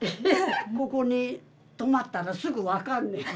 ここに止まったらすぐ分かるねん。